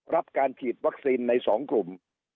รับการฉีดวัคซีนใน๒กลุ่ม